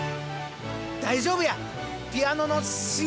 大丈夫や！